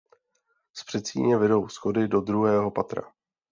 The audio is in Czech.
Z předsíně vedou schody do druhého patra.